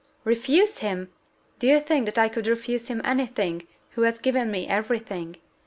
"Refuse him! do you think that I could refuse him any thing, who has given me every thing?